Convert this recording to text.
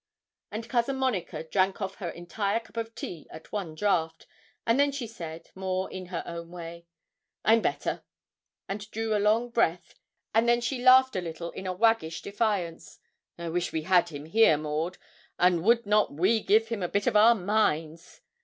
And Cousin Monica drank off her entire cup of tea at one draught, and then she said, more in her own way 'I'm better!' and drew a long breath, and then she laughed a little in a waggish defiance. 'I wish we had him here, Maud, and would not we give him a bit of our minds!